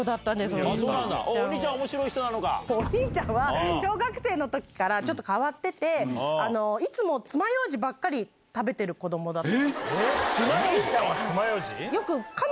お兄ちゃお兄ちゃん、おもしろい人なお兄ちゃんは小学生のときからちょっと変わってて、いつもつまようじばっかり食べてる子どもだった。